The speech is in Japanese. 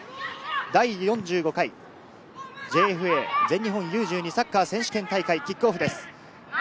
第４５回ＪＦＡ全日本Ｕ−１２サッカー選手権大会キックオフです。